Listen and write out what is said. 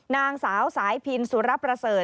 นางสาวสายพินสุรประเสริฐ